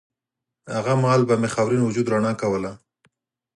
هغه مهال به مې خاورین وجود رڼا کوله